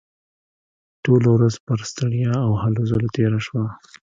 ټوله ورځ پر ستړیا او هلو ځلو تېره شوه